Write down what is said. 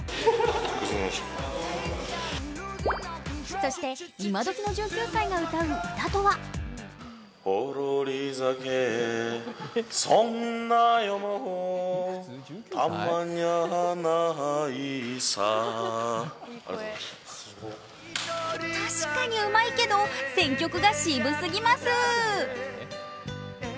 そして今どきの１９歳の歌う歌とは確かにうまいけど、選曲が渋すぎます。